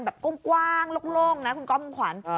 แบบก้มกว้างโลกนะคุณก้อมควร